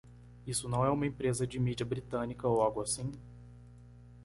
Isso não é uma empresa de mídia britânica ou algo assim?